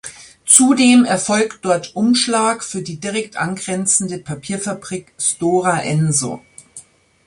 Zudem erfolgt dort Umschlag für die direkt angrenzende Papierfabrik Stora Enso.